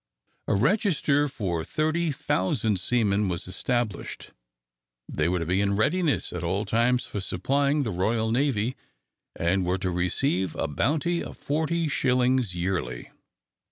A register for thirty thousand seamen was established. They were to be in readiness at all times for supplying the Royal Navy, and were to receive a bounty of forty shillings yearly.